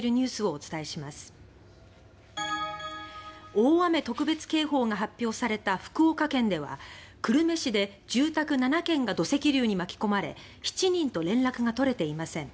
大雨特別警報が発表された福岡県では久留米市で住宅７軒が土石流に巻き込まれ複数人と連絡が取れていません。